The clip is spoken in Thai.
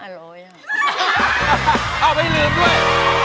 อ้าวไม่ลืมด้วย